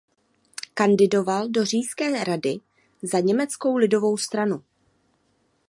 Kandidoval do Říšské rady za Německou lidovou stranu.